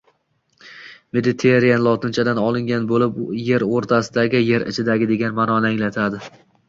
Mediterranean lotinchadan olingan boʻlib, er oʻrtasidagi, yer ichidagi degan maʼnoni anglatadi